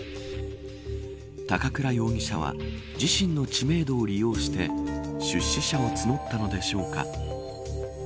高倉容疑者は自身の知名度を利用して出資者を募ったのでしょうか。